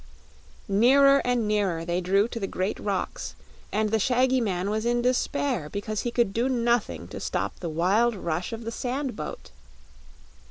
Nearer and nearer they drew to the great rocks, and the shaggy man was in despair because he could do nothing to stop the wild rush of the sand boat.